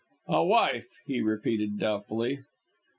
"A wife!" he repeated doubtfully.